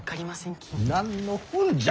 何の本じゃ？